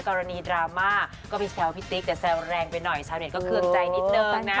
กรณีดราม่าก็ไปแซวพี่ติ๊กแต่แซวแรงไปหน่อยชาวเน็ตก็เครื่องใจนิดนึงนะ